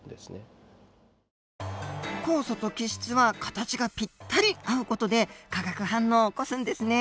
酵素と基質は形がぴったり合う事で化学反応を起こすんですね。